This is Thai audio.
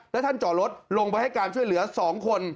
แล้วท่านจอรถลงไปให้การช่วยเหลือ๒คน